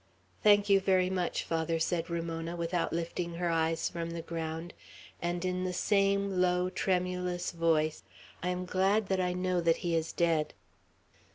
"Thank you very much, Father," said Ramona, without lifting her eyes from the ground; and in the same low, tremulous tone, "I am glad that I know that he is dead."